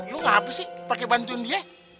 lo gak apa sih pake bantuin dia